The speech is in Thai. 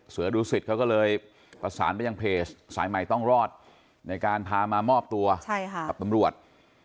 เสือดูสิตเขาก็เลยประสานไปยังเพจสายใหม่ต้องรอดในการพามามอบตัวกับตำรวจ